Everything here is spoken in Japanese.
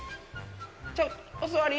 お座り。